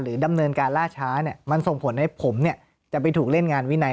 ดำเนินการล่าช้ามันส่งผลให้ผมจะไปถูกเล่นงานวินัย